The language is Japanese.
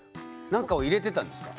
何かを入れてたんですか？